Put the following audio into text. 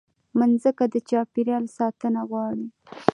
مځکه د چاپېریال ساتنه غواړي.